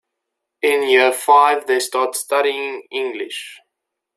In year five they start studying English.